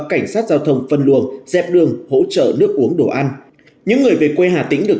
cảnh sát giao thông phân luồng dẹp đường hỗ trợ nước uống đồ ăn những người về quê hà tĩnh được